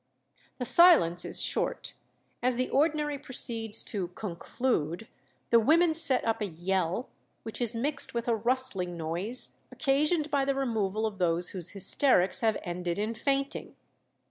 "The silence is short. As the ordinary proceeds 'to conclude,' the women set up a yell, which is mixed with a rustling noise, occasioned by the removal of those whose hysterics have ended in fainting.